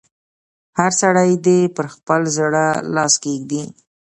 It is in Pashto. هر سړی دې پر خپل زړه لاس کېږي.